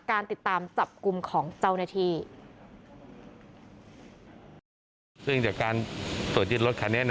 การติดตามจับกลุ่มของเจ้าหน้าที่